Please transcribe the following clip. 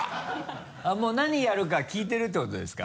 あっもう何やるか聞いてるってことですか？